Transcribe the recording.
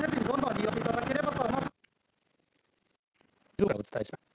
静岡からお伝えします。